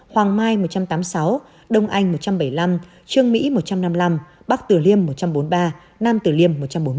hoàng mai một trăm tám mươi sáu đông anh một trăm bảy mươi năm trương mỹ một trăm năm mươi năm bắc tử liêm một trăm bốn mươi ba nam tử liêm một trăm bốn mươi một